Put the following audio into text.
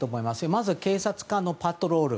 まず警察官のパトロール。